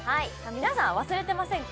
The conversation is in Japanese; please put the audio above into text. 皆さん忘れてませんか？